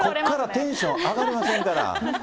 テンション上がりませんから。